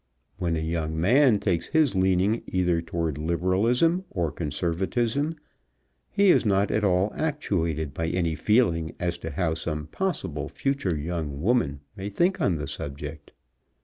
When a young man takes his leaning either towards Liberalism or Conservatism he is not at all actuated by any feeling as to how some possible future young woman may think on the subject.